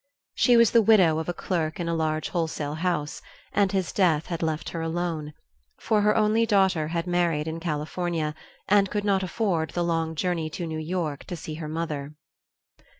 She was the widow of a clerk in a large wholesale house, and his death had left her alone, for her only daughter had married in California, and could not afford the long journey to New York to see her mother.